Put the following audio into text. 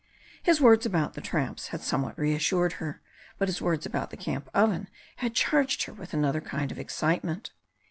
His words about the tramps had somewhat reassured her, but his words about the camp oven had charged her with another kind of excitement.